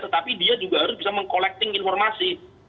tetapi dia juga harus bisa meng collecting informasi